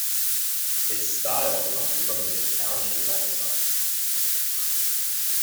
Its style comes from the Italian renaissance.